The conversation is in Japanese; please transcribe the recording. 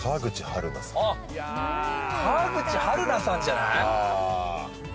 あっ川口春奈さんじゃない？